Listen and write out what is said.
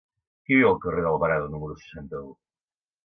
Qui viu al carrer d'Alvarado número seixanta-u?